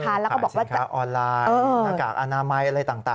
ขายสินค้าออนไลน์หน้ากากอนามัยอะไรต่าง